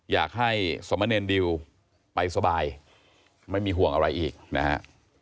อยากให้สมเนรดิวไปสบายไม่มีห่วงอะไรอีกนะฮะ